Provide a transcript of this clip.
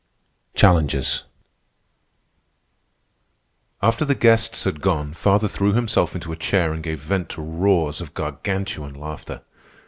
CHALLENGES After the guests had gone, father threw himself into a chair and gave vent to roars of Gargantuan laughter.